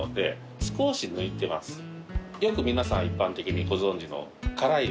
よく皆さん一般的にご存じの辛いザーサイ